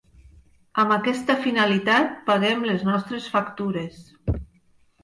Amb aquesta finalitat, paguem les nostres factures.